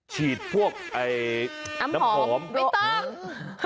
ฉีดพวกน้ำหอมไม่ต้อง